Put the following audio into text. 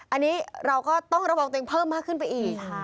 อันนี้เราก็ต้องระวังตัวเองเพิ่มมากขึ้นไปอีก